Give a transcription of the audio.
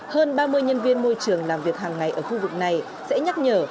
hơn ba mươi nhân viên môi trường làm việc hàng ngày ở khu vực này sẽ nhắc nhở